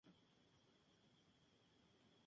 El hecho conmovió a todos los aficionados.